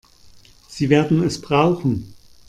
Sie werden es brauchen.